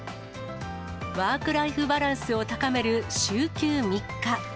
ワークライフバランスを高める週休３日。